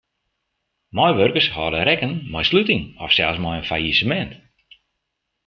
Meiwurkers hâlde rekken mei sluting of sels mei in fallisemint.